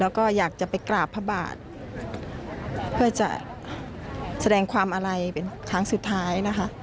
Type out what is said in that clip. แล้วก็อยากจะไปกราบพระบาทเพื่อจะแสดงความอาลัยเป็นครั้งสุดท้ายนะคะ